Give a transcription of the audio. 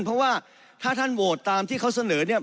เพราะว่าถ้าท่านโหวตตามที่เขาเสนอเนี่ย